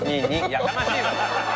やかましいわ！